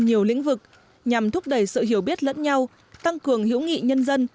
các lĩnh vực nhằm thúc đẩy sự hiểu biết lẫn nhau tăng cường hữu nghị nhân dân